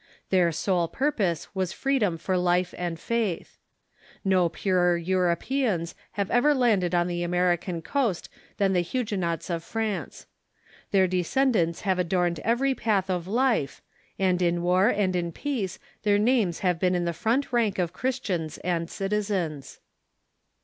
Their sole purpose was freedom for life and faith. No purer Europeans have ever landed on the American coast than the Huguenots of France. Their descendants have adorned every path of life, and in war and in peace their names have been in the front rank of Christians and citizens.